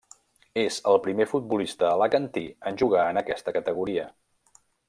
És el primer futbolista alacantí en jugar en aquesta categoria.